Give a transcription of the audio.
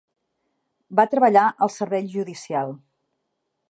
Va treballar al servei judicial.